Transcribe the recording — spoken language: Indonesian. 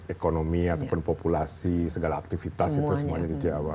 ekonomi ataupun populasi segala aktivitas itu semuanya di jawa